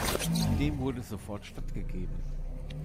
Dem wurde sofort stattgegeben.